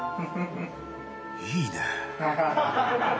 いいね。